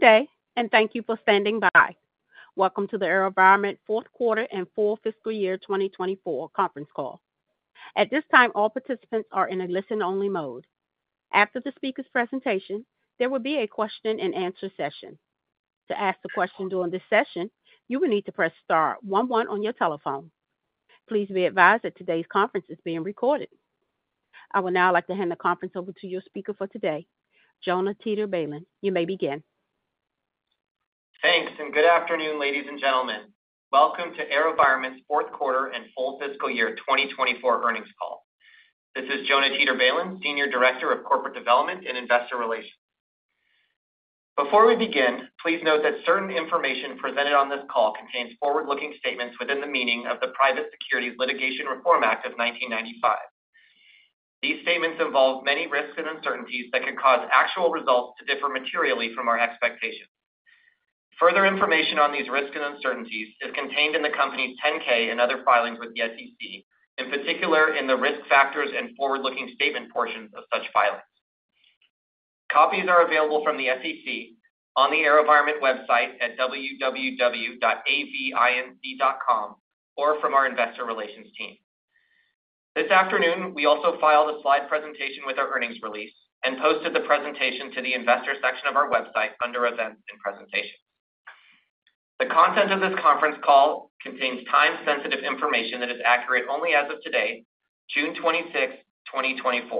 Good day, and thank you for standing by. Welcome to the AeroVironment fourth quarter and full fiscal year 2024 conference call. At this time, all participants are in a listen-only mode. After the speaker's presentation, there will be a question-and-answer session. To ask a question during this session, you will need to press star one one on your telephone. Please be advised that today's conference is being recorded. I would now like to hand the conference over to your speaker for today, Jonah Teeter-Balin. You may begin. Thanks, and good afternoon, ladies and gentlemen. Welcome to AeroVironment's fourth quarter and full fiscal year 2024 earnings call. This is Jonah Teeter-Balin, Senior Director of Corporate Development and Investor Relations. Before we begin, please note that certain information presented on this call contains forward-looking statements within the meaning of the Private Securities Litigation Reform Act of 1995. These statements involve many risks and uncertainties that could cause actual results to differ materially from our expectations. Further information on these risks and uncertainties is contained in the Company's 10-K and other filings with the SEC, in particular in the risk factors and forward-looking statement portions of such filings. Copies are available from the SEC on the AeroVironment website at www.avinc.com, or from our investor relations team. This afternoon, we also filed a slide presentation with our earnings release and posted the presentation to the investor section of our website under Events and Presentations. The content of this conference call contains time-sensitive information that is accurate only as of today, June 26, 2024.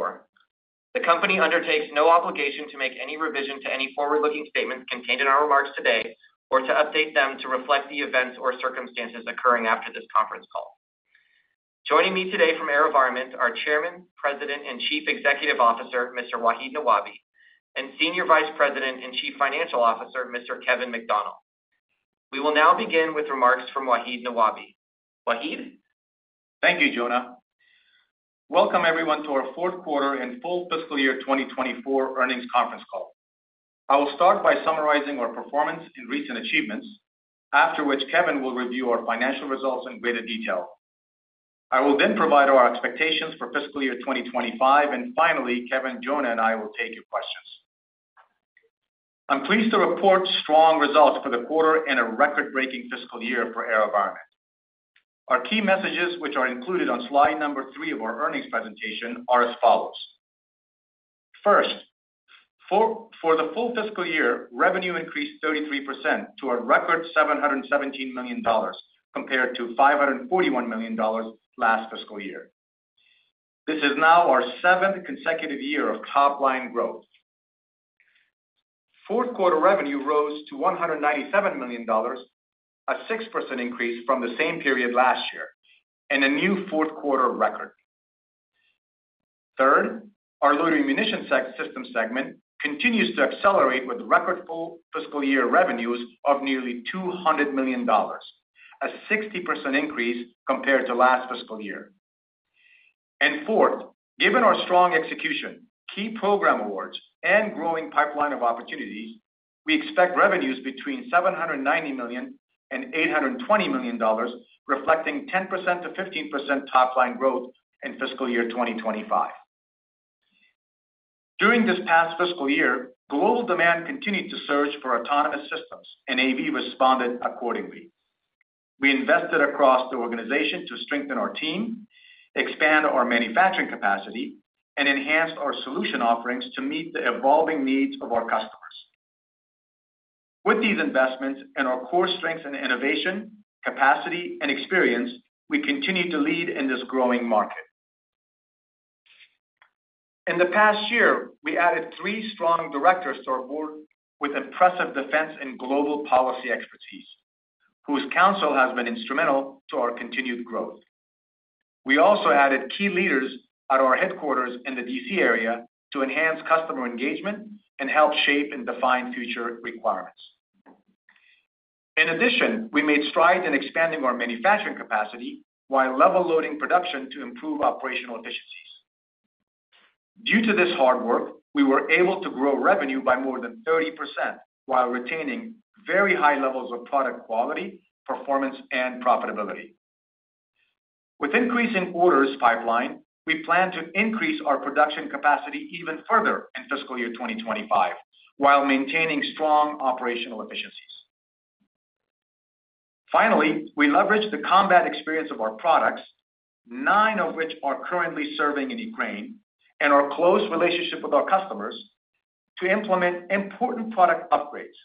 The company undertakes no obligation to make any revision to any forward-looking statements contained in our remarks today or to update them to reflect the events or circumstances occurring after this conference call. Joining me today from AeroVironment are Chairman, President, and Chief Executive Officer, Mr. Wahid Nawabi, and Senior Vice President and Chief Financial Officer, Mr. Kevin McDonnell. We will now begin with remarks from Wahid Nawabi. Wahid? Thank you, Jonah. Welcome, everyone, to our fourth quarter and full fiscal year 2024 earnings conference call. I will start by summarizing our performance and recent achievements, after which Kevin will review our financial results in greater detail. I will then provide our expectations for fiscal year 2025, and finally, Kevin, Jonah, and I will take your questions. I'm pleased to report strong results for the quarter and a record-breaking fiscal year for AeroVironment. Our key messages, which are included on Slide number 3 of our earnings presentation, are as follows. First, for the full fiscal year, revenue increased 33% to a record $717 million, compared to $541 million last fiscal year. This is now our seventh consecutive year of top-line growth. Fourth quarter revenue rose to $197 million, a 6% increase from the same period last year and a new fourth quarter record. Third, our Loitering Munition System segment continues to accelerate with record full fiscal year revenues of nearly $200 million, a 60% increase compared to last fiscal year. And fourth, given our strong execution, key program awards, and growing pipeline of opportunities, we expect revenues between $790 million and $820 million, reflecting 10%-15% top-line growth in fiscal year 2025. During this past fiscal year, global demand continued to surge for autonomous systems, and AV responded accordingly. We invested across the organization to strengthen our team, expand our manufacturing capacity, and enhance our solution offerings to meet the evolving needs of our customers. With these investments and our core strengths and innovation, capacity, and experience, we continue to lead in this growing market. In the past year, we added three strong directors to our board with impressive defense and global policy expertise, whose counsel has been instrumental to our continued growth. We also added key leaders at our headquarters in the D.C. area to enhance customer engagement and help shape and define future requirements. In addition, we made strides in expanding our manufacturing capacity while level-loading production to improve operational efficiencies. Due to this hard work, we were able to grow revenue by more than 30% while retaining very high levels of product quality, performance, and profitability. With increasing orders pipeline, we plan to increase our production capacity even further in fiscal year 2025, while maintaining strong operational efficiencies. Finally, we leveraged the combat experience of our products, nine of which are currently serving in Ukraine, and our close relationship with our customers to implement important product upgrades.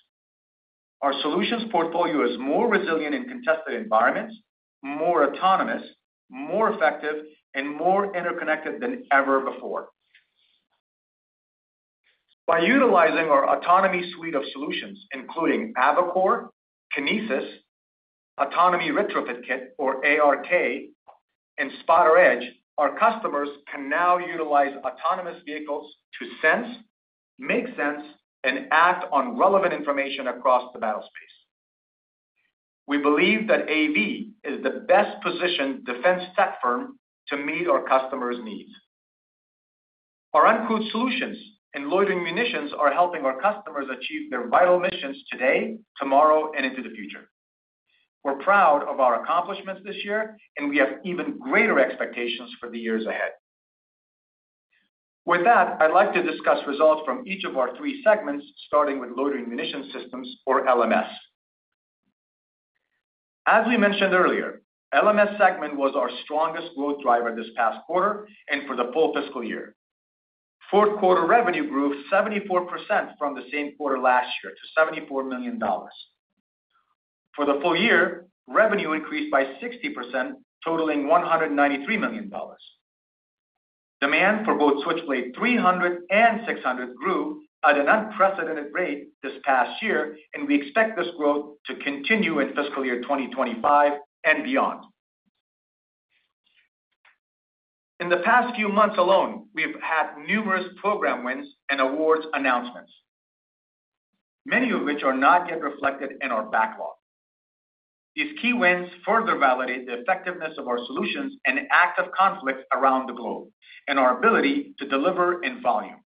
Our solutions portfolio is more resilient in contested environments, more autonomous, more effective, and more interconnected than ever before. By utilizing our autonomy suite of solutions, including AVACORE, Kinesis, Autonomy Retrofit Kit or ARK, and SPOTR-Edge, our customers can now utilize autonomous vehicles to sense, make sense, and act on relevant information across the battle space. We believe that AV is the best-positioned defense tech firm to meet our customers' needs. Our Uncrewed Solutions and Loitering Munitions are helping our customers achieve their vital missions today, tomorrow, and into the future. We're proud of our accomplishments this year, and we have even greater expectations for the years ahead. With that, I'd like to discuss results from each of our three segments, starting with Loitering Munition Systems or LMS. As we mentioned earlier, LMS segment was our strongest growth driver this past quarter and for the full fiscal year. Fourth quarter revenue grew 74% from the same quarter last year to $74 million. For the full year, revenue increased by 60%, totaling $193 million. Demand for both Switchblade 300 and 600 grew at an unprecedented rate this past year, and we expect this growth to continue in fiscal year 2025 and beyond. In the past few months alone, we've had numerous program wins and awards announcements, many of which are not yet reflected in our backlog. These key wins further validate the effectiveness of our solutions and active conflicts around the globe, and our ability to deliver in volume.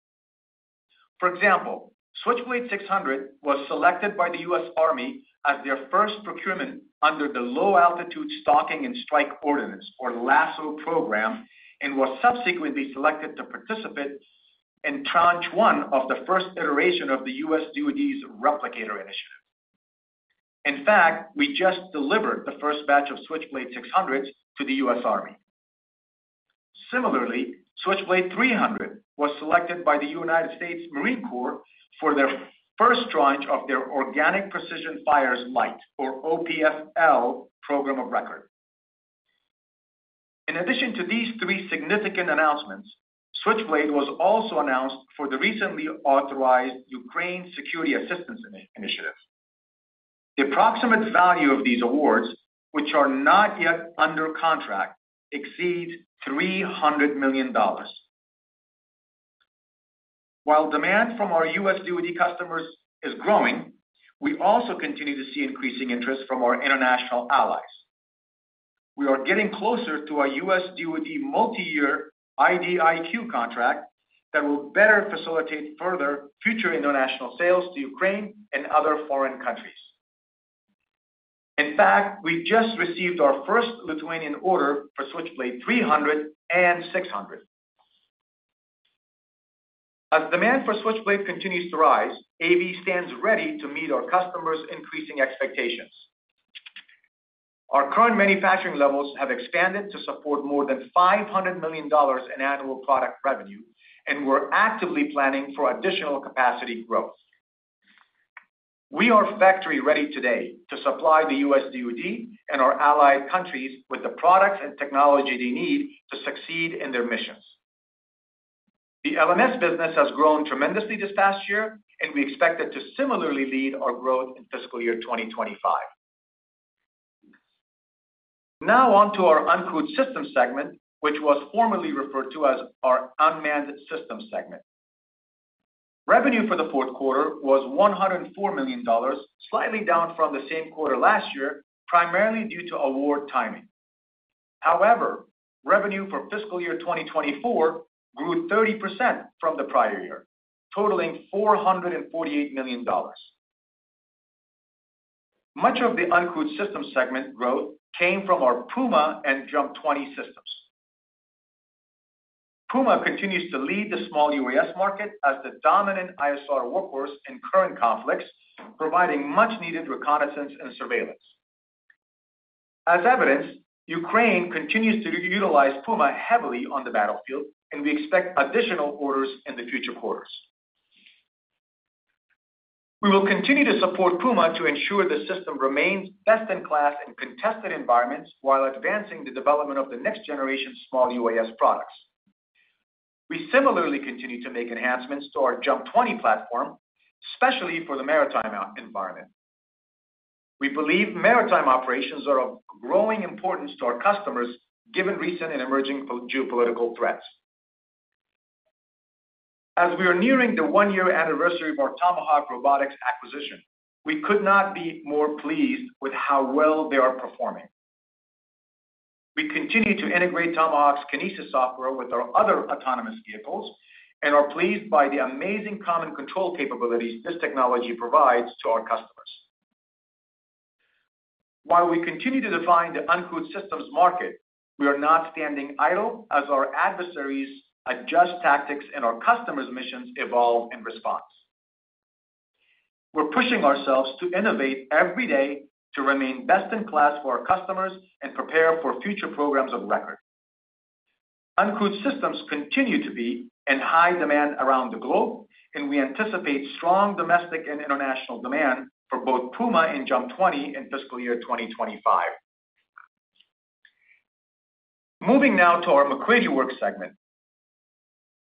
For example, Switchblade 600 was selected by the U.S. Army as their first procurement under the Low Altitude Stalking and Strike Ordnance, or LASSO program, and was subsequently selected to participate in tranche one of the first iteration of the U.S. DoD's Replicator initiative. In fact, we just delivered the first batch of Switchblade 600 to the U.S. Army. Similarly, Switchblade 300 was selected by the U.S. Marine Corps for their first tranche of their Organic Precision Fires – Light, or OPF-L, program of record. In addition to these three significant announcements, Switchblade was also announced for the recently authorized Ukraine Security Assistance Initiative. The approximate value of these awards, which are not yet under contract, exceeds $300 million. While demand from our U.S. DoD customers is growing, we also continue to see increasing interest from our international allies. We are getting closer to a U.S. DoD multi-year IDIQ contract that will better facilitate further future international sales to Ukraine and other foreign countries. In fact, we just received our first Lithuanian order for Switchblade 300 and 600. As demand for Switchblade continues to rise, AV stands ready to meet our customers' increasing expectations. Our current manufacturing levels have expanded to support more than $500 million in annual product revenue, and we're actively planning for additional capacity growth. We are factory-ready today to supply the U.S. DoD and our allied countries with the products and technology they need to succeed in their missions. The LMS business has grown tremendously this past year, and we expect it to similarly lead our growth in fiscal year 2025. Now on to our Uncrewed Systems segment, which was formerly referred to as our Unmanned Systems segment. Revenue for the fourth quarter was $104 million, slightly down from the same quarter last year, primarily due to award timing. However, revenue for fiscal year 2024 grew 30% from the prior year, totaling $448 million. Much of the Uncrewed Systems segment growth came from our Puma and JUMP 20 systems. Puma continues to lead the small UAS market as the dominant ISR workhorse in current conflicts, providing much-needed reconnaissance and surveillance. As evidenced, Ukraine continues to utilize Puma heavily on the battlefield, and we expect additional orders in the future quarters. We will continue to support Puma to ensure the system remains best-in-class in contested environments while advancing the development of the next generation small UAS products. We similarly continue to make enhancements to our JUMP 20 platform, especially for the maritime environment. We believe maritime operations are of growing importance to our customers, given recent and emerging geopolitical threats. As we are nearing the one-year anniversary of our Tomahawk Robotics acquisition, we could not be more pleased with how well they are performing. We continue to integrate Tomahawk's Kinesis software with our other autonomous vehicles and are pleased by the amazing common control capabilities this technology provides to our customers. While we continue to define the Uncrewed Systems market, we are not standing idle as our adversaries adjust tactics and our customers' missions evolve in response. We're pushing ourselves to innovate every day to remain best-in-class for our customers and prepare for future programs of record. Uncrewed Systems continue to be in high demand around the globe, and we anticipate strong domestic and international demand for both Puma and JUMP 20 in fiscal year 2025. Moving now to our MacCready Works segment.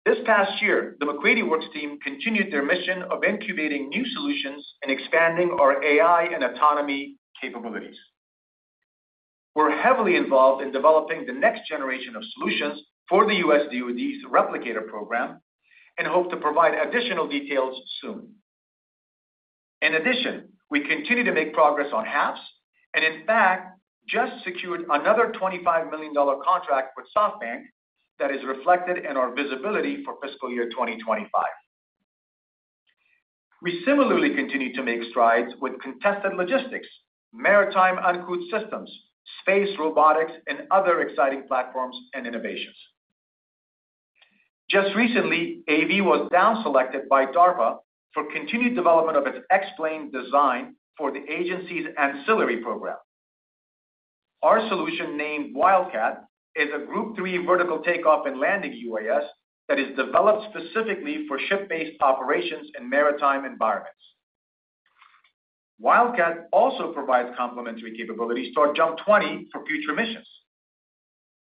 This past year, the MacCready Works team continued their mission of incubating new solutions and expanding our AI and autonomy capabilities. We're heavily involved in developing the next generation of solutions for the U.S. DoD's Replicator program and hope to provide additional details soon. In addition, we continue to make progress on HAPS, and in fact, just secured another $25 million contract with SoftBank that is reflected in our visibility for fiscal year 2025. We similarly continue to make strides with contested logistics, maritime Uncrewed Systems, space robotics, and other exciting platforms and innovations. Just recently, AV was down selected by DARPA for continued development of its X-plane design for the agency's ANCILLARY program. Our solution, named Wildcat, is a Group 3 vertical takeoff and landing UAS that is developed specifically for ship-based operations in maritime environments. Wildcat also provides complementary capabilities for JUMP 20 for future missions.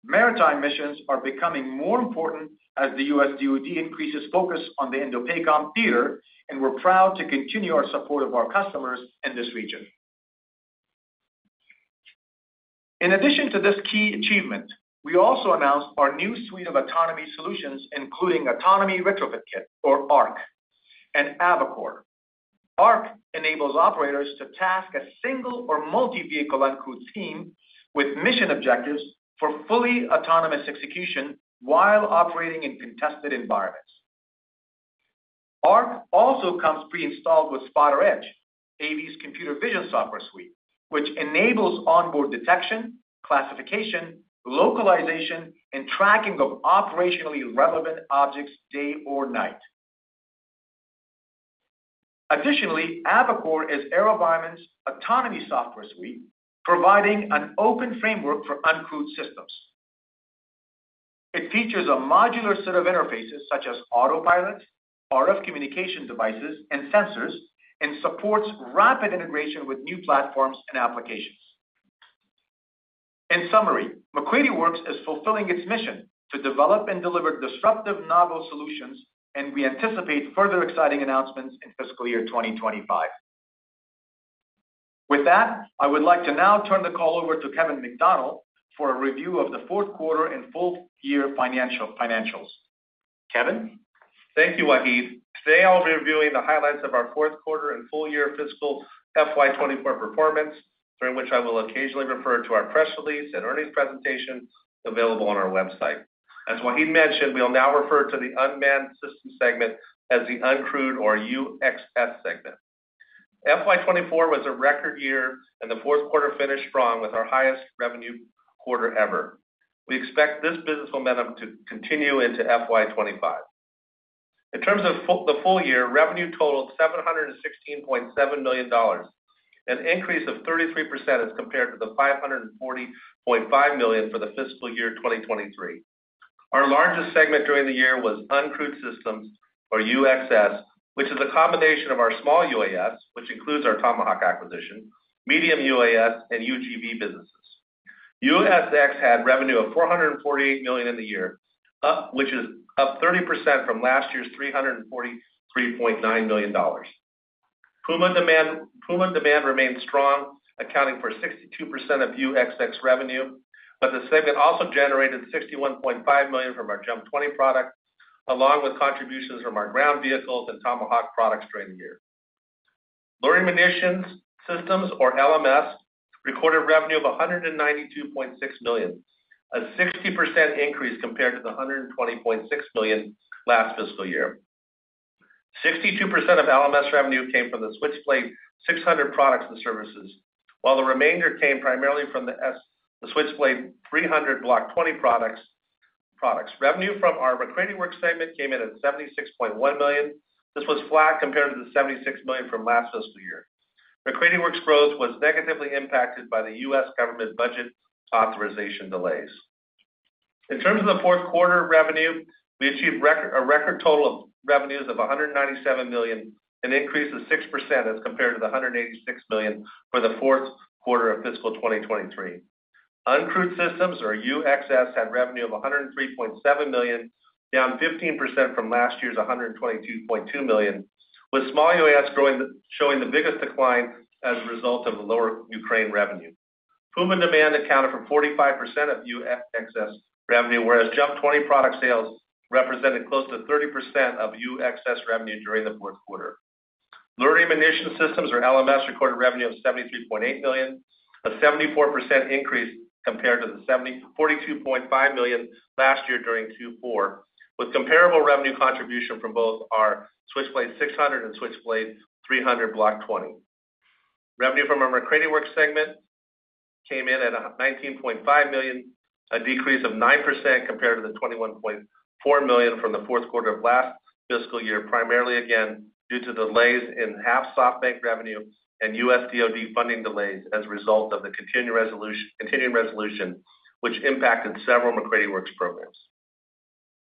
Maritime missions are becoming more important as the U.S. DoD increases focus on the INDOPACOM theater, and we're proud to continue our support of our customers in this region. In addition to this key achievement, we also announced our new suite of autonomy solutions, including Autonomy Retrofit Kit, or ARK, and AVACORE. ARK enables operators to task a single or multi-vehicle Uncrewed team with mission objectives for fully autonomous execution while operating in contested environments. ARK also comes pre-installed with SPOTR-Edge, AV's computer vision software suite, which enables onboard detection, classification, localization, and tracking of operationally relevant objects day or night. Additionally, AVACORE is AeroVironment's autonomy software suite, providing an open framework for Uncrewed Systems. It features a modular set of interfaces such as autopilot, RF communication devices, and sensors, and supports rapid integration with new platforms and applications. In summary, MacCready Works is fulfilling its mission to develop and deliver disruptive, novel solutions, and we anticipate further exciting announcements in fiscal year 2025. With that, I would like to now turn the call over to Kevin McDonnell for a review of the fourth quarter and full-year financials. Kevin? Thank you, Wahid. Today, I'll be reviewing the highlights of our fourth quarter and full year fiscal FY 2024 performance, during which I will occasionally refer to our press release and earnings presentation available on our website. As Wahid mentioned, we'll now refer to the Unmanned System segment as the Uncrewed or UXS segment. FY 2024 was a record year, and the fourth quarter finished strong with our highest revenue quarter ever. We expect this business momentum to continue into FY 2025. In terms of the full year, revenue totaled $716.7 million, an increase of 33% as compared to the $540.5 million for the fiscal year 2023. Our largest segment during the year was Uncrewed Systems, or UXS, which is a combination of our small UAS, which includes our Tomahawk acquisition, medium UAS, and UGV businesses. UXS had revenue of $448 million in the year, which is up 30% from last year's $343.9 million. Puma demand remained strong, accounting for 62% of UXS revenue, but the segment also generated $61.5 million from our JUMP 20 products, along with contributions from our ground vehicles and Tomahawk products during the year. Loitering Munitions Systems, or LMS, recorded revenue of $192.6 million, a 60% increase compared to the $120.6 million last fiscal year. 62% of LMS revenue came from the Switchblade 600 products and services, while the remainder came primarily from the Switchblade 300 Block 20 products. Revenue from our MacCready Works segment came in at $76.1 million. This was flat compared to the $76 million from last fiscal year. MacCready Works growth was negatively impacted by the U.S. government budget authorization delays. In terms of the fourth quarter revenue, we achieved a record total of revenues of $197 million, an increase of 6% as compared to the $186 million for the fourth quarter of fiscal 2023. Uncrewed Systems, or UXS, had revenue of $103.7 million, down 15% from last year's $122.2 million, with small UAS showing the biggest decline as a result of lower Ukraine revenue. Puma demand accounted for 45% of UXS revenue, whereas JUMP 20 product sales represented close to 30% of UXS revenue during the fourth quarter. Loitering Munition Systems, or LMS, recorded revenue of $73.8 million, a 74% increase compared to the $42.5 million last year during Q4, with comparable revenue contribution from both our Switchblade 600 and Switchblade 300 Block 20. Revenue from our MacCready Works segment came in at $19.5 million, a decrease of 9% compared to the $21.4 million from the fourth quarter of last fiscal year, primarily again, due to delays in HAPS SoftBank revenue and U.S. DoD funding delays as a result of the continuing resolution, which impacted several MacCready Works programs.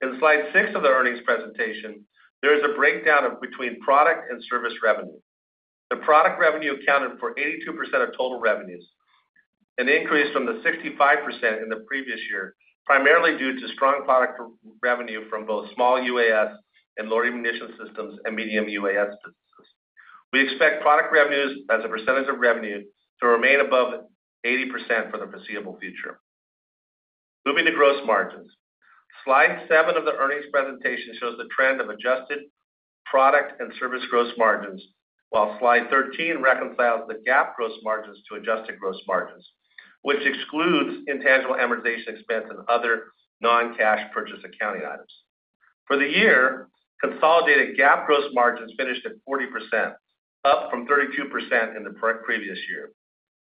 In Slide 6 of the earnings presentation, there is a breakdown between product and service revenue. The product revenue accounted for 82% of total revenues, an increase from the 65% in the previous year, primarily due to strong product revenue from both small UAS and Loitering Munition Systems and medium UAS systems. We expect product revenues as a percentage of revenue to remain above 80% for the foreseeable future. Moving to gross margins. Slide 7 of the earnings presentation shows the trend of adjusted product and service gross margins, while Slide 13 reconciles the GAAP gross margins to adjusted gross margins, which excludes intangible amortization expense and other non-cash purchase accounting items. For the year, consolidated GAAP gross margins finished at 40%, up from 32% in the pre-previous year.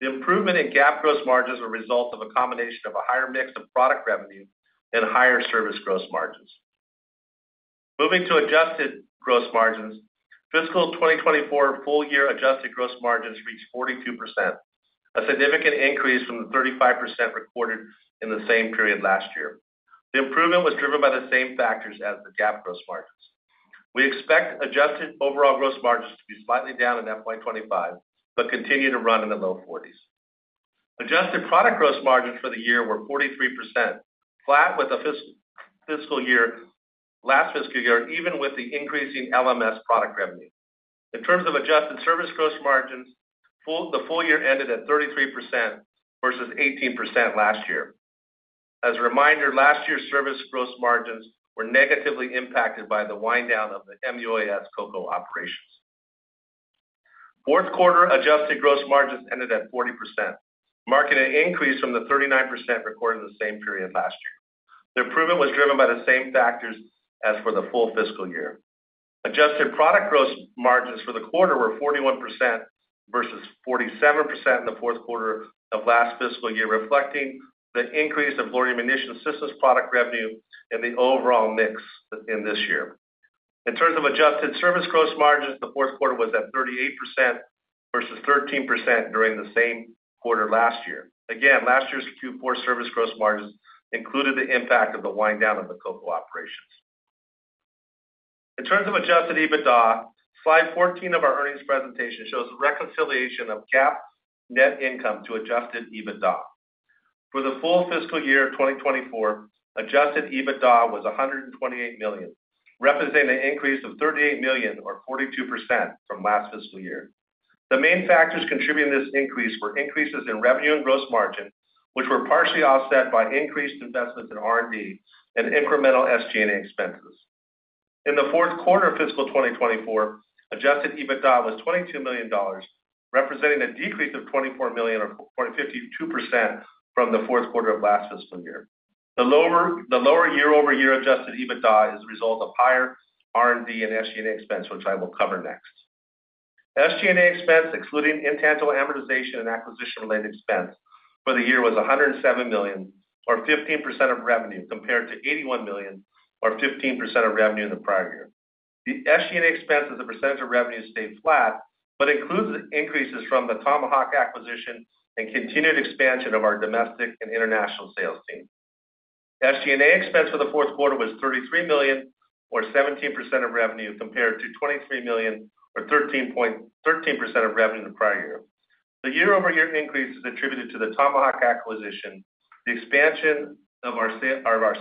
The improvement in GAAP gross margins were a result of a combination of a higher mix of product revenue and higher service gross margins. Moving to adjusted gross margins, fiscal 2024 full-year adjusted gross margins reached 42%, a significant increase from the 35% recorded in the same period last year. The improvement was driven by the same factors as the GAAP gross margins. We expect adjusted overall gross margins to be slightly down in FY 2025, but continue to run in the low 40s. Adjusted product gross margins for the year were 43%, flat with last fiscal year, even with the increasing LMS product revenue. In terms of adjusted service gross margins, the full year ended at 33% versus 18% last year. As a reminder, last year's service gross margins were negatively impacted by the wind down of the MUAS COCO operations. Fourth quarter adjusted gross margins ended at 40%, marking an increase from the 39% recorded in the same period last year. The improvement was driven by the same factors as for the full fiscal year. Adjusted product gross margins for the quarter were 41% versus 47% in the fourth quarter of last fiscal year, reflecting the increase of Loitering Munition Systems product revenue and the overall mix in this year. In terms of adjusted service gross margins, the fourth quarter was at 38% versus 13% during the same quarter last year. Again, last year's Q4 service gross margins included the impact of the wind down of the COCO operations. In terms of adjusted EBITDA, Slide 14 of our earnings presentation shows a reconciliation of GAAP net income to adjusted EBITDA. For the full fiscal year 2024, adjusted EBITDA was $128 million, representing an increase of $38 million or 42% from last fiscal year. The main factors contributing to this increase were increases in revenue and gross margin, which were partially offset by increased investments in R&D and incremental SG&A expenses. In the fourth quarter of fiscal 2024, adjusted EBITDA was $22 million, representing a decrease of $24 million, or 52% from the fourth quarter of last fiscal year. The lower year-over-year adjusted EBITDA is a result of higher R&D and SG&A expense, which I will cover next. SG&A expense, excluding intangible amortization and acquisition-related expense for the year, was $107 million, or 15% of revenue, compared to $81 million or 15% of revenue in the prior year. The SG&A expense as a percentage of revenue stayed flat, but includes increases from the Tomahawk acquisition and continued expansion of our domestic and international sales team. SG&A expense for the fourth quarter was $33 million, or 17% of revenue, compared to $23 million or 13% of revenue in the prior year. The year-over-year increase is attributed to the Tomahawk acquisition, the expansion of our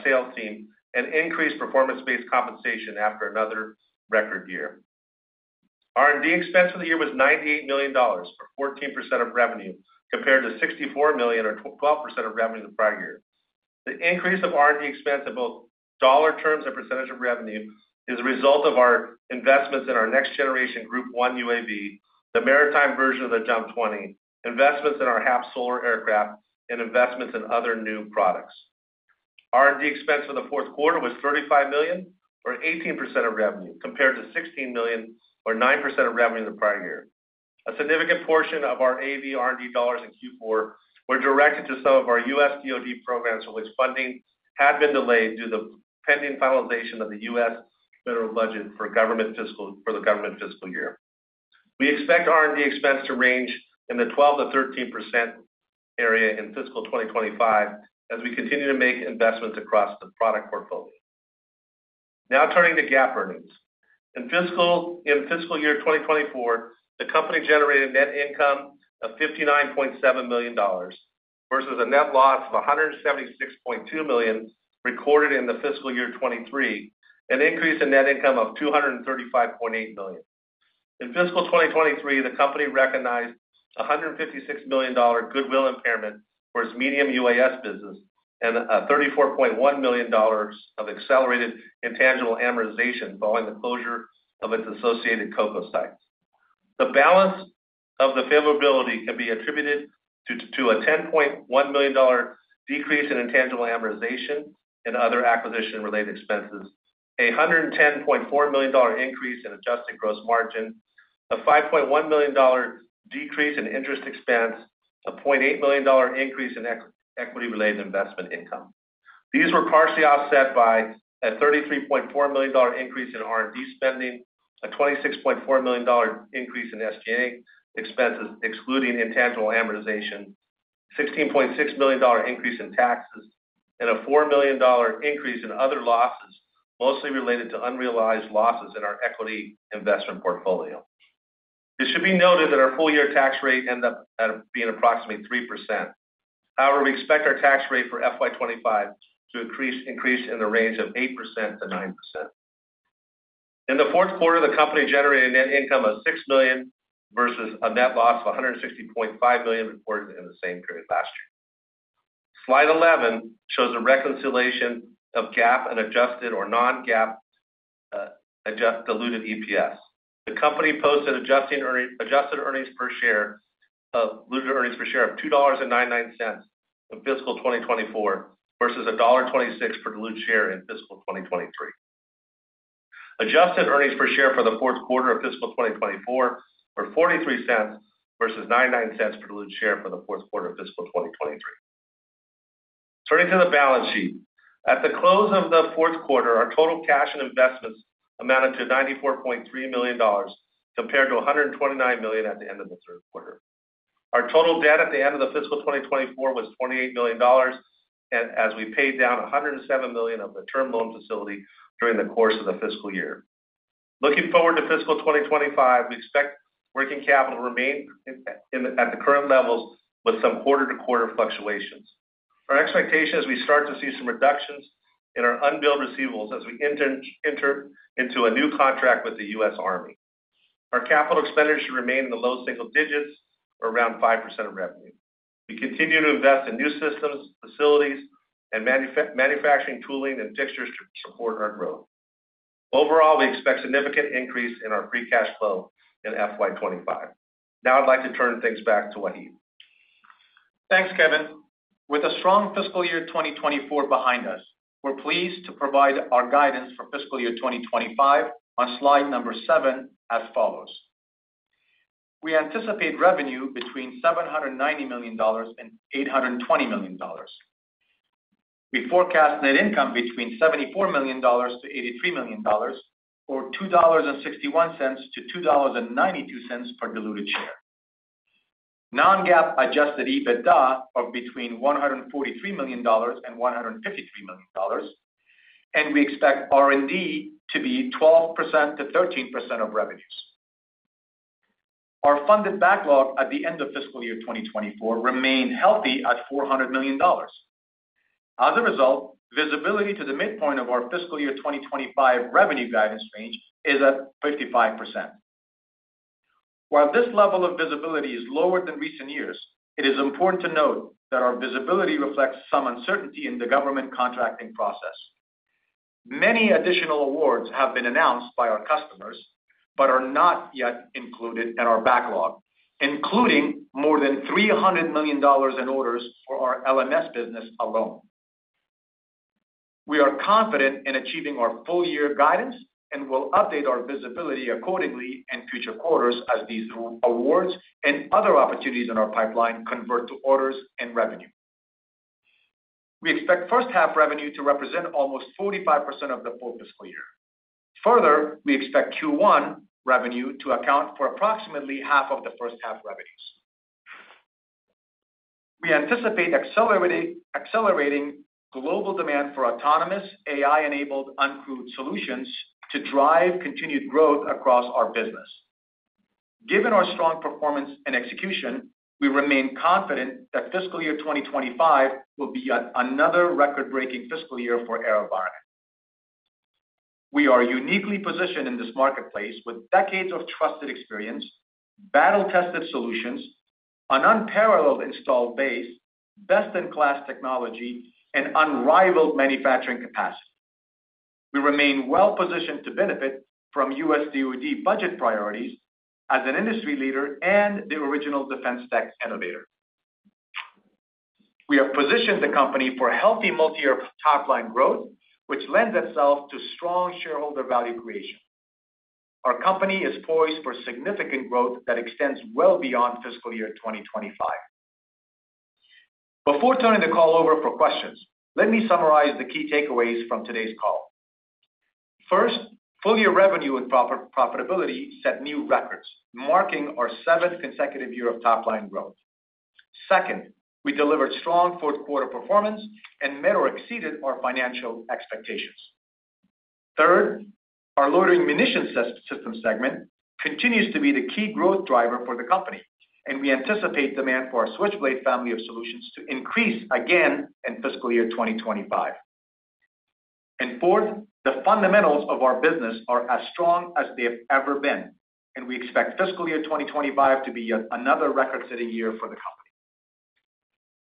sales team, and increased performance-based compensation after another record year. R&D expense for the year was $98 million, or 14% of revenue, compared to $64 million, or 12% of revenue in the prior year. The increase of R&D expense in both dollar terms and percentage of revenue is a result of our investments in our next-generation Group 1 UAV, the maritime version of the JUMP 20, investments in our HAPS, and investments in other new products. R&D expense for the fourth quarter was $35 million, or 18% of revenue, compared to $16 million or 9% of revenue in the prior year. A significant portion of our AV R&D dollars in Q4 were directed to some of our U.S. DoD programs, for which funding had been delayed due to the pending finalization of the U.S. federal budget for the government fiscal year. We expect R&D expense to range in the 12%-13% area in fiscal 2025, as we continue to make investments across the product portfolio. Now, turning to GAAP earnings. In fiscal year 2024, the company generated net income of $59.7 million, versus a net loss of $176.2 million recorded in the fiscal year 2023, an increase in net income of $235.8 million. In fiscal 2023, the company recognized $156 million goodwill impairment for its medium UAS business and thirty-four point one million dollars of accelerated intangible amortization following the closure of its associated COCO sites. The balance of the availability can be attributed due to a $10.1 million decrease in intangible amortization and other acquisition-related expenses, a $110.4 million increase in adjusted gross margin, a $5.1 million decrease in interest expense, a $0.8 million increase in equity-related investment income. These were partially offset by a $33.4 million increase in R&D spending, a $26.4 million increase in SG&A expenses, excluding intangible amortization, $16.6 million increase in taxes, and a $4 million increase in other losses, mostly related to unrealized losses in our equity investment portfolio. It should be noted that our full year tax rate ended up being approximately 3%. However, we expect our tax rate for FY 2025 to increase in the range of 8%-9%. In the fourth quarter, the company generated net income of $6 million, versus a net loss of $160.5 million reported in the same period last year. Slide 11 shows a reconciliation of GAAP and adjusted or non-GAAP diluted EPS. The company posted adjusted diluted earnings per share of $2.99 in fiscal 2024, versus $1.26 per diluted share in fiscal 2023. Adjusted earnings per share for the fourth quarter of fiscal 2024 were $0.43 versus $0.99 per diluted share for the fourth quarter of fiscal 2023. Turning to the balance sheet. At the close of the fourth quarter, our total cash and investments amounted to $94.3 million, compared to $129 million at the end of the third quarter. Our total debt at the end of fiscal 2024 was $28 million, and as we paid down $107 million of the term loan facility during the course of the fiscal year. Looking forward to fiscal 2025, we expect working capital to remain at the current levels with some quarter-to-quarter fluctuations. Our expectation is we start to see some reductions in our unbilled receivables as we enter into a new contract with the U.S. Army. Our capital expenditures should remain in the low single digits or around 5% of revenue. We continue to invest in new systems, facilities, and manufacturing tooling and fixtures to support our growth. Overall, we expect significant increase in our free cash flow in FY 2025. Now, I'd like to turn things back to Wahid. Thanks, Kevin. With a strong fiscal year 2024 behind us, we're pleased to provide our guidance for fiscal year 2025 on Slide 7 as follows: We anticipate revenue between $790 million and $820 million. We forecast net income between $74 million to $83 million, or $2.61 to $2.92 per diluted share. Non-GAAP adjusted EBITDA of between $143 million and $153 million, and we expect R&D to be 12%-13% of revenues. Our funded backlog at the end of fiscal year 2024 remained healthy at $400 million. As a result, visibility to the midpoint of our fiscal year 2025 revenue guidance range is at 55%. While this level of visibility is lower than recent years, it is important to note that our visibility reflects some uncertainty in the government contracting process. Many additional awards have been announced by our customers, but are not yet included in our backlog, including more than $300 million in orders for our LMS business alone. We are confident in achieving our full-year guidance and will update our visibility accordingly in future quarters as these awards and other opportunities in our pipeline convert to orders and revenue. We expect first half revenue to represent almost 45% of the full fiscal year. Further, we expect Q1 revenue to account for approximately half of the first half revenues. We anticipate accelerating global demand for autonomous AI-enabled Uncrewed Solutions to drive continued growth across our business. Given our strong performance and execution, we remain confident that fiscal year 2025 will be another record-breaking fiscal year for AeroVironment. We are uniquely positioned in this marketplace with decades of trusted experience, battle-tested solutions, an unparalleled installed base, best-in-class technology, and unrivaled manufacturing capacity. We remain well positioned to benefit from U.S. DoD budget priorities as an industry leader and the original defense tech innovator. We have positioned the company for a healthy multi-year top-line growth, which lends itself to strong shareholder value creation. Our company is poised for significant growth that extends well beyond fiscal year 2025. Before turning the call over for questions, let me summarize the key takeaways from today's call. First, full-year revenue and profitability set new records, marking our seventh consecutive year of top-line growth. Second, we delivered strong fourth quarter performance and met or exceeded our financial expectations. Third, our Loitering Munition System segment continues to be the key growth driver for the company, and we anticipate demand for our Switchblade family of solutions to increase again in fiscal year 2025. And fourth, the fundamentals of our business are as strong as they've ever been, and we expect fiscal year 2025 to be yet another record-setting year for the company.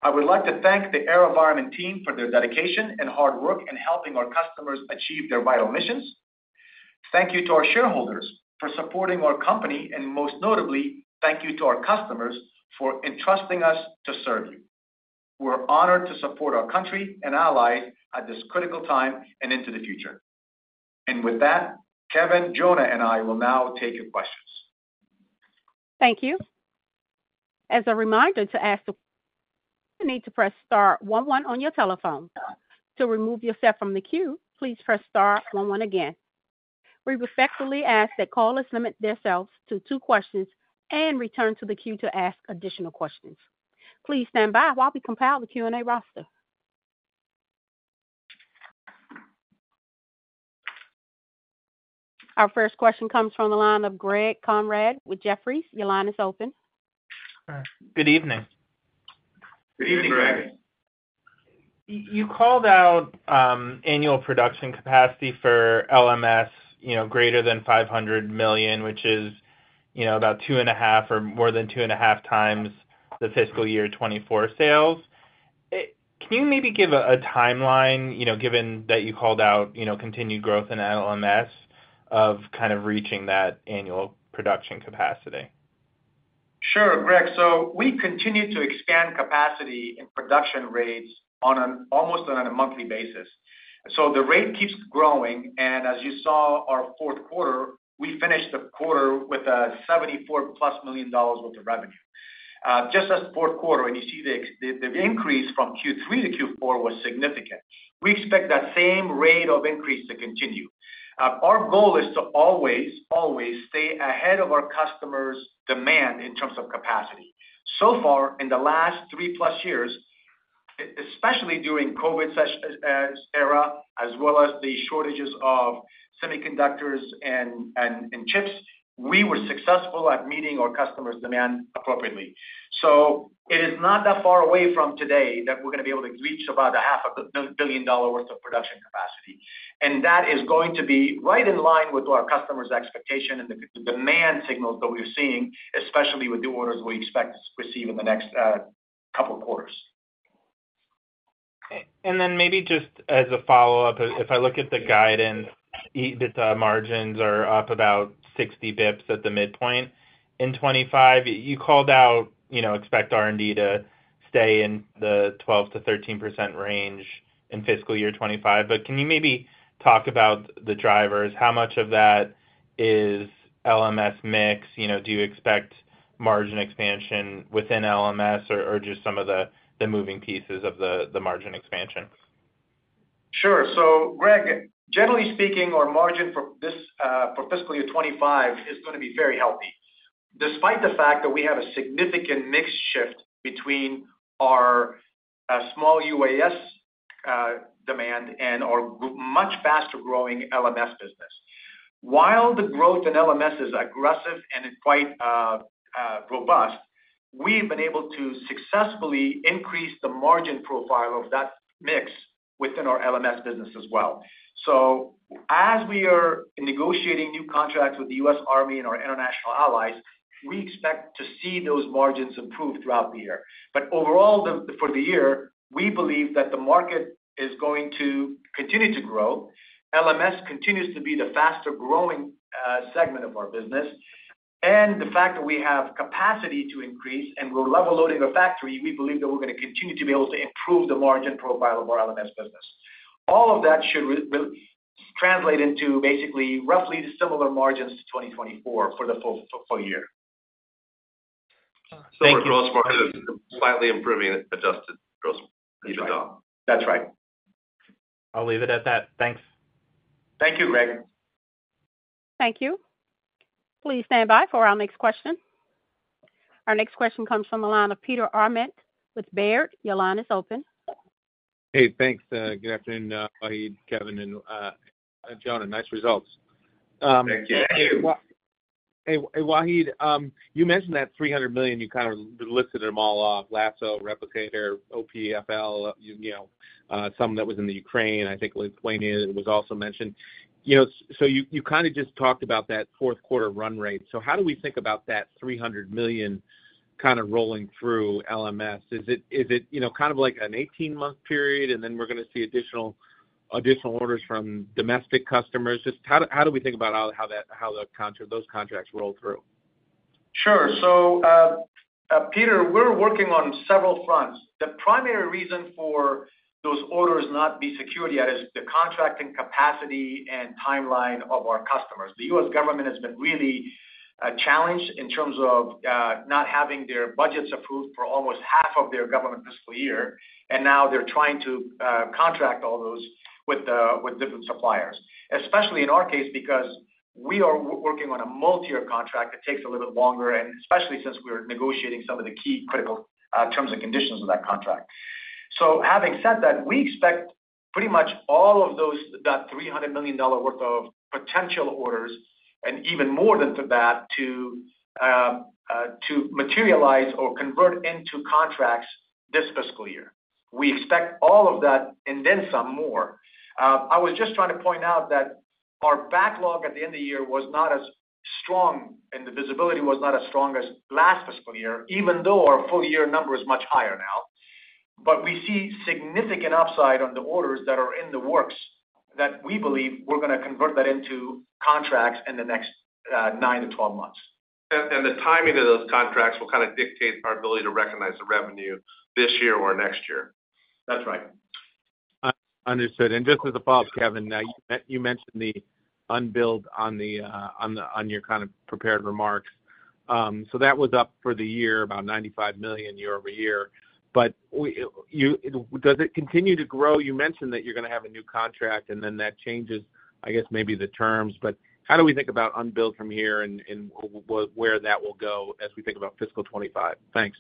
I would like to thank the AeroVironment team for their dedication and hard work in helping our customers achieve their vital missions. Thank you to our shareholders for supporting our company, and most notably, thank you to our customers for entrusting us to serve you. We're honored to support our country and allies at this critical time and into the future. And with that, Kevin, Jonah, and I will now take your questions. Thank you. As a reminder, to ask a question, you need to press star one one on your telephone. To remove yourself from the queue, please press star one one again. We respectfully ask that callers limit themselves to two questions and return to the queue to ask additional questions. Please stand by while we compile the Q&A roster. Our first question comes from the line of Greg Konrad with Jefferies. Your line is open. Good evening. Good evening, Greg. Good evening. You called out annual production capacity for LMS, you know, greater than $500 million, which is, you know, about 2.5 or more than 2.5 times the fiscal year 2024 sales. Can you maybe give a timeline, you know, given that you called out, you know, continued growth in LMS of kind of reaching that annual production capacity? Sure, Greg. So we continue to expand capacity and production rates on an almost monthly basis. So the rate keeps growing, and as you saw, our fourth quarter, we finished the quarter with $74+ million worth of revenue just in fourth quarter, and you see the increase from Q3 to Q4 was significant. We expect that same rate of increase to continue. Our goal is to always, always stay ahead of our customer's demand in terms of capacity. So far, in the last 3+ years, especially during COVID era, as well as the shortages of semiconductors and chips, we were successful at meeting our customers' demand appropriately. So it is not that far away from today that we're gonna be able to reach about $500 million worth of production capacity. That is going to be right in line with our customers' expectation and the demand signals that we're seeing, especially with new orders we expect to receive in the next couple quarters. Okay. And then maybe just as a follow-up, if I look at the guidance, the margins are up about 60 basis points at the midpoint. In 2025, you called out, you know, expect R&D to stay in the 12%-13% range in fiscal year 2025. But can you maybe talk about the drivers? How much of that is LMS mix? You know, do you expect margin expansion within LMS or, or just some of the, the moving pieces of the, the margin expansion? Sure. So Greg, generally speaking, our margin for this, for fiscal year 25 is gonna be very healthy. Despite the fact that we have a significant mix shift between our, small UAS, demand and our much faster-growing LMS business. While the growth in LMS is aggressive and quite, robust, we've been able to successfully increase the margin profile of that mix within our LMS business as well. So as we are negotiating new contracts with the U.S. Army and our international allies, we expect to see those margins improve throughout the year. But overall, the, for the year, we believe that the market is going to continue to grow. LMS continues to be the faster-growing segment of our business, and the fact that we have capacity to increase and we're level loading a factory, we believe that we're gonna continue to be able to improve the margin profile of our LMS business. All of that should translate into basically roughly similar margins to 2024 for the full year. Thank you. So our gross margin slightly improving adjusted gross-EBITDA. That's right. I'll leave it at that. Thanks. Thank you, Greg. Thank you. Please stand by for our next question. Our next question comes from the line of Peter Arment with Baird. Your line is open. Hey, thanks. Good afternoon, Wahid, Kevin, and Jonah. Nice results. Thank you. Hey, Wahid, you mentioned that $300 million, you kind of listed them all off, LASSO, Replicator, OPF-L, you know, some that was in the Ukraine, I think Lithuania was also mentioned. You know, so you kind of just talked about that fourth quarter run rate. So how do we think about that $300 million kind of rolling through LMS? Is it, you know, kind of like an 18-month period, and then we're gonna see additional orders from domestic customers? Just how do we think about how that—how those contracts roll through? Sure. So, Peter, we're working on several fronts. The primary reason for those orders not be secured yet is the contracting capacity and timeline of our customers. The U.S. government has been really challenged in terms of not having their budgets approved for almost half of their government fiscal year, and now they're trying to contract all those with different suppliers. Especially in our case, because we are working on a multi-year contract, it takes a little bit longer, and especially since we're negotiating some of the key critical terms and conditions of that contract. So having said that, we expect pretty much all of those, that $300 million worth of potential orders and even more than that, to materialize or convert into contracts this fiscal year. We expect all of that and then some more. I was just trying to point out that our backlog at the end of the year was not as strong, and the visibility was not as strong as last fiscal year, even though our full year number is much higher now. But we see significant upside on the orders that are in the works that we believe we're gonna convert that into contracts in the next nine to 12 months. And the timing of those contracts will kind of dictate our ability to recognize the revenue this year or next year. That's right. Understood. And just as a follow-up, Kevin, you mentioned the unbilled on your kind of prepared remarks. So that was up for the year, about $95 million year-over-year. But does it continue to grow? You mentioned that you're gonna have a new contract, and then that changes, I guess, maybe the terms. But how do we think about unbilled from here and where that will go as we think about fiscal 2025? Thanks.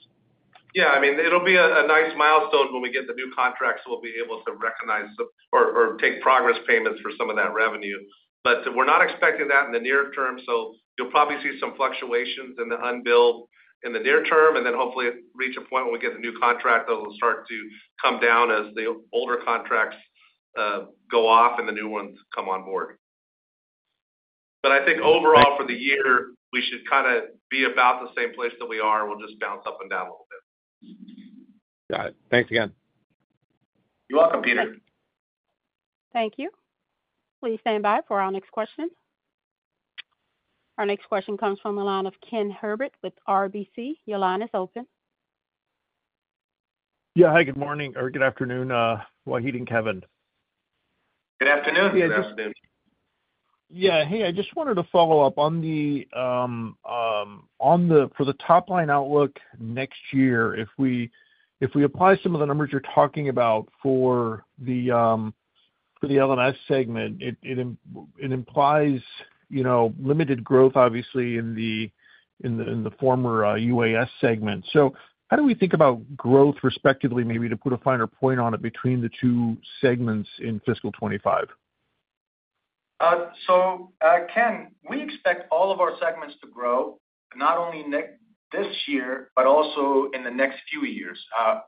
Yeah, I mean, it'll be a nice milestone when we get the new contracts. We'll be able to recognize some or take progress payments for some of that revenue. But we're not expecting that in the near term, so you'll probably see some fluctuations in the unbilled in the near term, and then hopefully it reach a point where we get the new contract that will start to come down as the older contracts-... go off and the new ones come on board. But I think overall for the year, we should kind of be about the same place that we are, and we'll just bounce up and down a little bit. Got it. Thanks again. You're welcome, Peter. Thank you. Please stand by for our next question. Our next question comes from the line of Ken Herbert with RBC. Your line is open. Yeah. Hi, good morning or good afternoon, Wahid and Kevin. Good afternoon, Ken. Yeah. Hey, I just wanted to follow up on the top-line outlook next year, if we apply some of the numbers you're talking about for the LMS segment, it implies, you know, limited growth, obviously, in the former UAS segment. So how do we think about growth respectively, maybe to put a finer point on it between the two segments in fiscal 2025? So, Ken, we expect all of our segments to grow, not only this year, but also in the next few years.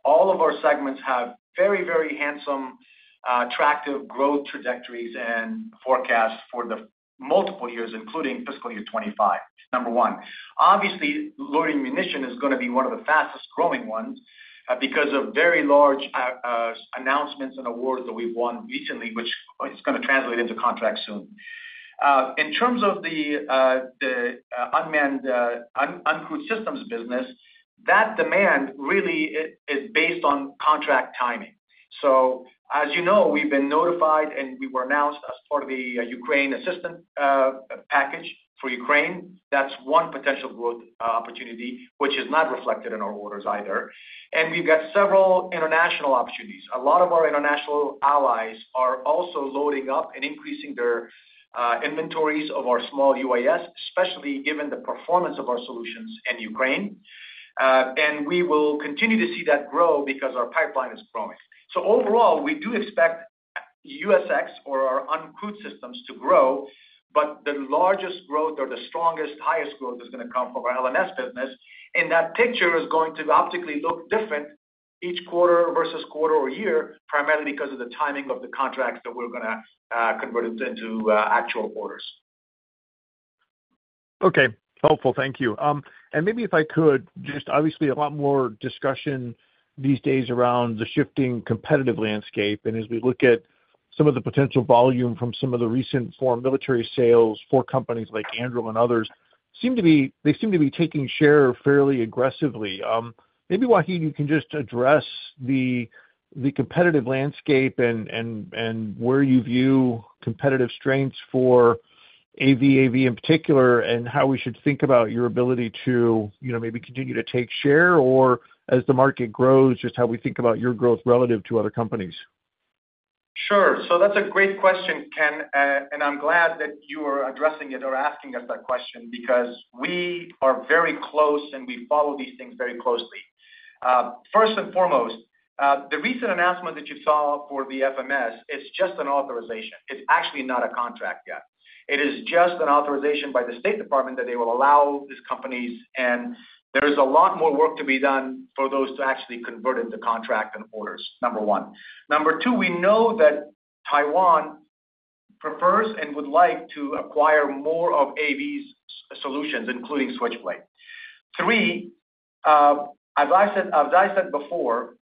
All of our segments have very, very handsome, attractive growth trajectories and forecasts for the multiple years, including fiscal year 2025, number one. Obviously, Loitering Munition is gonna be one of the fastest growing ones, because of very large announcements and awards that we've won recently, which is gonna translate into contracts soon. In terms of the Unmanned, Uncrewed Systems business, that demand really is based on contract timing. So, as you know, we've been notified, and we were announced as part of the Ukraine assistance package for Ukraine. That's one potential growth opportunity, which is not reflected in our orders either. And we've got several international opportunities. A lot of our international allies are also loading up and increasing their inventories of our small UAS, especially given the performance of our solutions in Ukraine. And we will continue to see that grow because our pipeline is growing. So overall, we do expect UXS or our Uncrewed Systems to grow, but the largest growth or the strongest, highest growth is gonna come from our LMS business, and that picture is going to optically look different each quarter versus quarter or year, primarily because of the timing of the contracts that we're gonna convert into actual orders. Okay. Helpful. Thank you. And maybe if I could, just obviously a lot more discussion these days around the shifting competitive landscape. And as we look at some of the potential volume from some of the recent Foreign Military Sales for companies like Anduril and others, seem to be -- they seem to be taking share fairly aggressively. Maybe, Wahid, you can just address the competitive landscape and where you view competitive strengths for AVAV in particular, and how we should think about your ability to, you know, maybe continue to take share, or as the market grows, just how we think about your growth relative to other companies. Sure. So that's a great question, Ken, and I'm glad that you are addressing it or asking us that question because we are very close, and we follow these things very closely. First and foremost, the recent announcement that you saw for the FMS is just an authorization. It's actually not a contract yet. It is just an authorization by the State Department that they will allow these companies, and there is a lot more work to be done for those to actually convert into contract and orders, number one. Number two, we know that Taiwan prefers and would like to acquire more of AV's solutions, including Switchblade. Three, as I said, as I said before,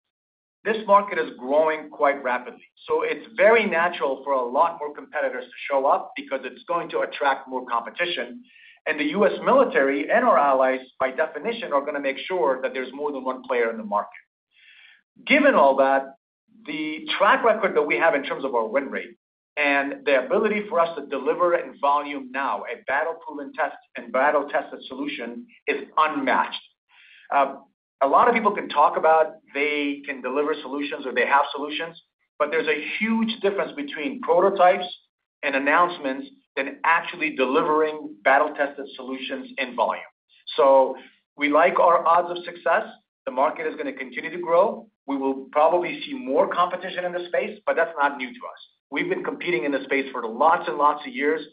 this market is growing quite rapidly, so it's very natural for a lot more competitors to show up because it's going to attract more competition. The U.S. military and our allies, by definition, are gonna make sure that there's more than one player in the market. Given all that, the track record that we have in terms of our win rate and the ability for us to deliver in volume now, a battle-proven test and battle-tested solution is unmatched. A lot of people can talk about they can deliver solutions or they have solutions, but there's a huge difference between prototypes and announcements than actually delivering battle-tested solutions in volume. So we like our odds of success. The market is gonna continue to grow. We will probably see more competition in this space, but that's not new to us. We've been competing in this space for lots and lots of years,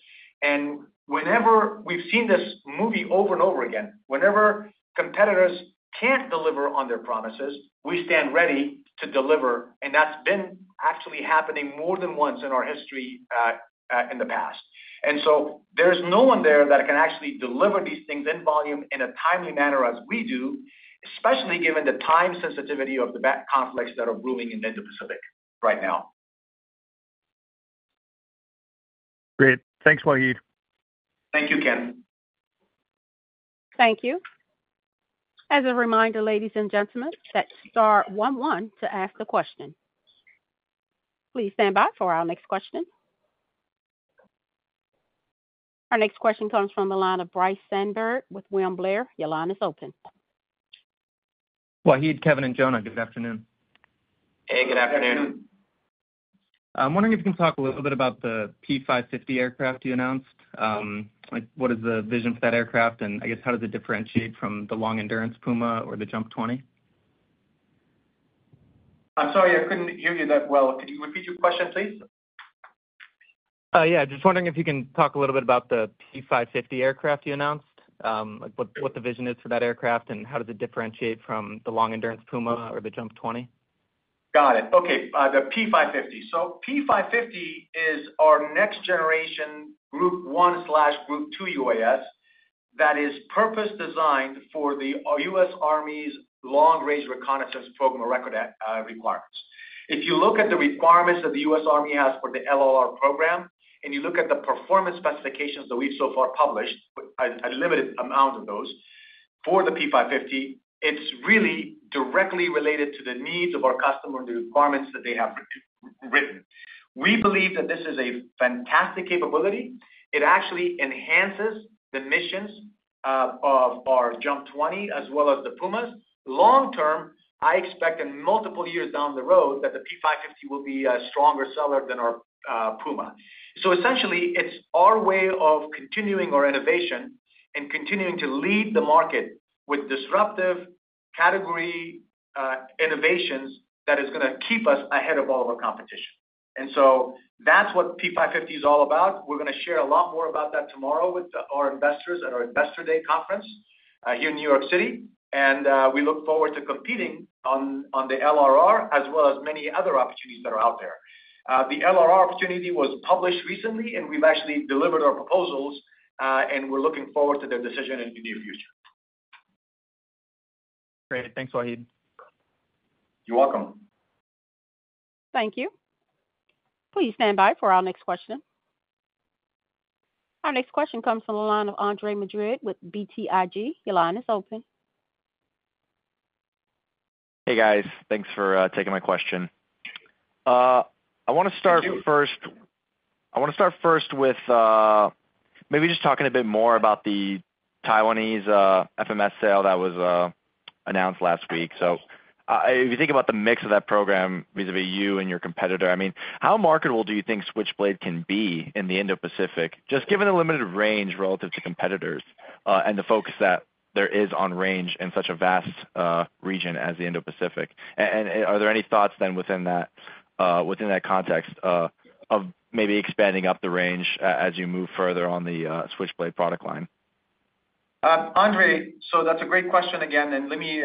and whenever we've seen this movie over and over again, whenever competitors can't deliver on their promises, we stand ready to deliver, and that's been actually happening more than once in our history, in the past. And so there's no one there that can actually deliver these things in volume in a timely manner, as we do, especially given the time sensitivity of the conflicts that are brewing in the Indo-Pacific right now. Great. Thanks, Wahid. Thank you, Ken. Thank you. As a reminder, ladies and gentlemen, that's star one one to ask a question. Please stand by for our next question. Our next question comes from the line of Bryce Sandberg with William Blair. Your line is open. Wahid, Kevin, and Jonah, good afternoon. Hey, good afternoon. I'm wondering if you can talk a little bit about the P550 aircraft you announced. Like, what is the vision for that aircraft? And I guess, how does it differentiate from the long endurance Puma or the JUMP 20? I'm sorry, I couldn't hear you that well. Could you repeat your question, please? ... Yeah, just wondering if you can talk a little bit about the P550 aircraft you announced, like, what the vision is for that aircraft, and how does it differentiate from the long-endurance Puma or the JUMP 20? Got it. Okay, the P550. So P550 is our next generation Group 1/Group 2 UAS that is purpose-designed for the U.S. Army's Long Range Reconnaissance program of record requirements. If you look at the requirements that the U.S. Army has for the LRR program, and you look at the performance specifications that we've so far published, a limited amount of those, for the P550, it's really directly related to the needs of our customer, the requirements that they have written. We believe that this is a fantastic capability. It actually enhances the missions of our JUMP 20 as well as the Pumas. Long term, I expect in multiple years down the road, that the P550 will be a stronger seller than our Puma. So essentially, it's our way of continuing our innovation and continuing to lead the market with disruptive category innovations that is gonna keep us ahead of all of our competition. And so that's what P550 is all about. We're gonna share a lot more about that tomorrow with our investors at our Investor Day conference here in New York City. And we look forward to competing on, on the LRR as well as many other opportunities that are out there. The LRR opportunity was published recently, and we've actually delivered our proposals, and we're looking forward to their decision in the near future. Great. Thanks, Wahid. You're welcome. Thank you. Please stand by for our next question. Our next question comes from the line of Andre Madrid with BTIG. Your line is open. Hey, guys. Thanks for taking my question. I wanna start first- Thank you. I wanna start first with maybe just talking a bit more about the Taiwanese FMS sale that was announced last week. So, if you think about the mix of that program vis-à-vis you and your competitor, I mean, how marketable do you think Switchblade can be in the Indo-Pacific, just given the limited range relative to competitors and the focus that there is on range in such a vast region as the Indo-Pacific? And are there any thoughts then within that within that context of maybe expanding up the range as you move further on the Switchblade product line? Andre, so that's a great question again, and let me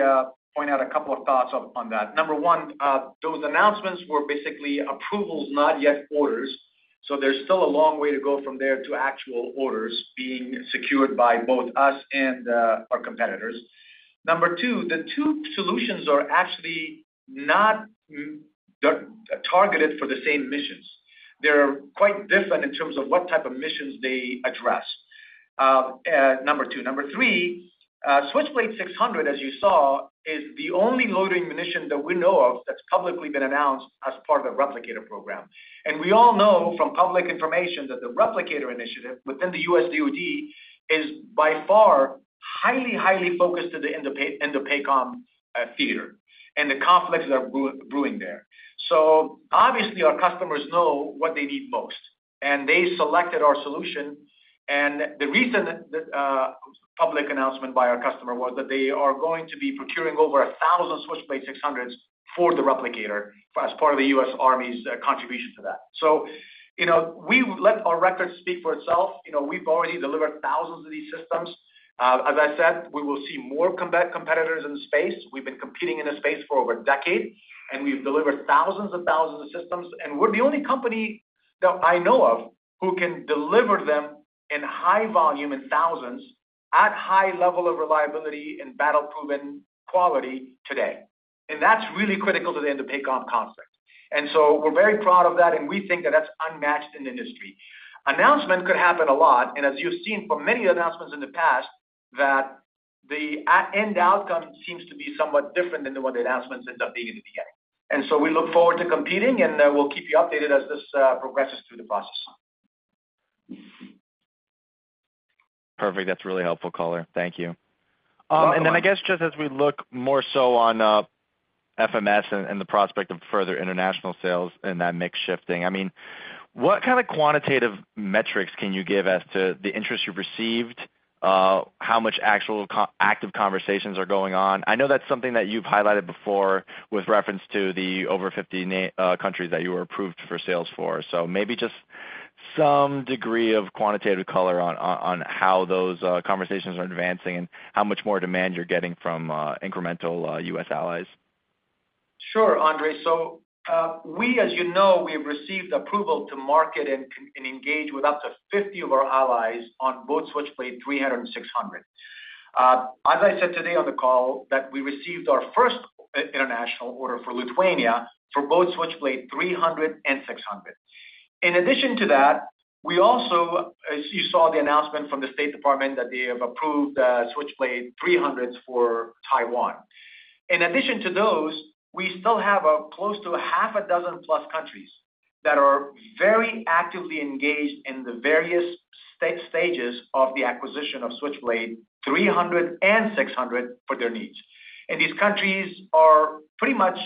point out a couple of thoughts on that. Number one, those announcements were basically approvals, not yet orders, so there's still a long way to go from there to actual orders being secured by both us and our competitors. Number two, the two solutions are actually not targeted for the same missions. They're quite different in terms of what type of missions they address. Number three, Switchblade 600, as you saw, is the only Loitering Munition that we know of that's publicly been announced as part of the Replicator program. And we all know from public information, that the Replicator initiative within the U.S. DoD is by far highly, highly focused to the Indo-Pacific INDOPACOM theater and the conflicts that are brewing there. So obviously our customers know what they need most, and they selected our solution, and the reason that public announcement by our customer was that they are going to be procuring over 1,000 Switchblade 600s for the Replicator as part of the U.S. Army's contribution to that. So, you know, we let our record speak for itself. You know, we've already delivered thousands of these systems. As I said, we will see more combat competitors in the space. We've been competing in this space for over a decade, and we've delivered thousands and thousands of systems, and we're the only company that I know of who can deliver them in high volume, in thousands, at high level of reliability and battle-proven quality today. And that's really critical to the INDOPACOM conflict. And so we're very proud of that, and we think that that's unmatched in the industry. Announcement could happen a lot, and as you've seen from many announcements in the past, that the end outcome seems to be somewhat different than what the announcements end up being in the beginning. And so we look forward to competing, and we'll keep you updated as this progresses through the process. Perfect. That's really helpful color. Thank you. You're welcome. And then I guess just as we look more so on FMS and the prospect of further international sales and that mix shifting, I mean, what kind of quantitative metrics can you give as to the interest you've received, how much actual active conversations are going on? I know that's something that you've highlighted before with reference to the over 50 NATO countries that you were approved for sales for. So maybe just some degree of quantitative color on how those conversations are advancing and how much more demand you're getting from incremental U.S. allies. Sure, Andre. So, we as you know, we've received approval to market and engage with up to 50 of our allies on both Switchblade 300 and 600. As I said today on the call, that we received our first international order for Lithuania, for both Switchblade 300 and 600. In addition to that, we also, as you saw the announcement from the State Department, that they have approved Switchblade 300s for Taiwan. In addition to those, we still have close to a half a dozen plus countries that are very actively engaged in the various stages of the acquisition of Switchblade 300 and 600 for their needs. And these countries are pretty much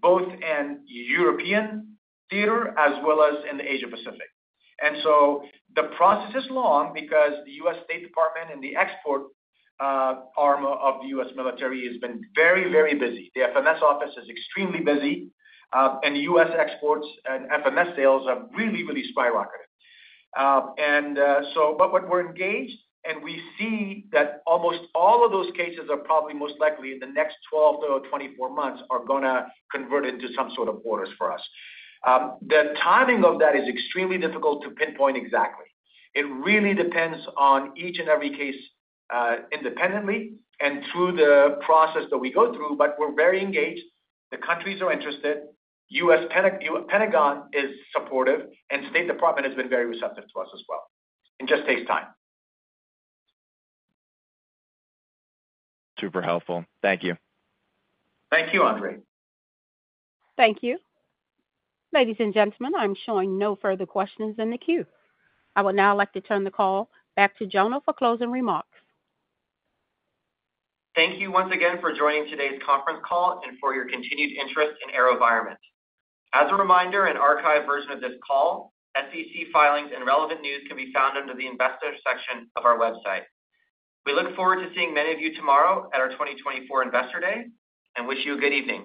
both in European theater as well as in the Asia-Pacific. And so the process is long because the U.S. Department of State and the export arm of the U.S. military has been very, very busy. The FMS office is extremely busy, and the U.S. exports and FMS sales have really, really skyrocketed. And so but what we're engaged, and we see that almost all of those cases are probably most likely, in the next 12 to 24 months, are gonna convert into some sort of orders for us. The timing of that is extremely difficult to pinpoint exactly. It really depends on each and every case, independently and through the process that we go through, but we're very engaged. The countries are interested. U.S. Pentagon is supportive, and State Department has been very receptive to us as well. It just takes time. Super helpful. Thank you. Thank you, Andre. Thank you. Ladies and gentlemen, I'm showing no further questions in the queue. I would now like to turn the call back to Jonah for closing remarks. Thank you once again for joining today's conference call and for your continued interest in AeroVironment. As a reminder, an archived version of this call, SEC filings and relevant news can be found under the Investors section of our website. We look forward to seeing many of you tomorrow at our 2024 Investor Day, and wish you a good evening.